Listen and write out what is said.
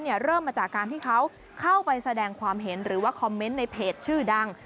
เริ่มมาจากการที่เขาเข้าไปแสดงความเห็นหรือว่าคอมเมนต์ในเพจชื่อดัง